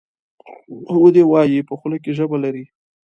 ودي وایي ! په خوله کې ژبه لري .